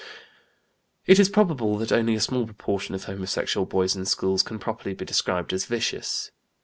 It is probable that only a small proportion of homosexual boys in schools can properly be described as "vicious."